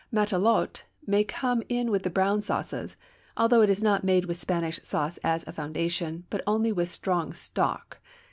Matelote may come in with the brown sauces, although it is not made with Spanish sauce as a foundation, but only with strong stock.